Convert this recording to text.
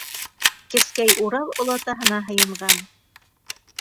Кескәй Урал олатаһына һыйынған.